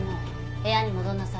部屋に戻りなさい。